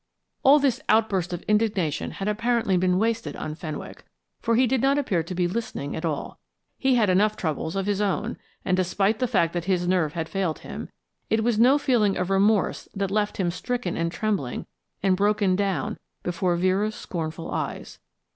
All this outburst of indignation had apparently been wasted on Fenwick for he did not appear to be listening at all. He had enough troubles of his own, and, despite the fact that his nerve had failed him, it was no feeling of remorse that left him stricken and trembling and broken down before Vera's scornful eyes.